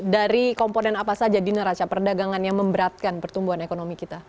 dari komponen apa saja di neraca perdagangan yang memberatkan pertumbuhan ekonomi kita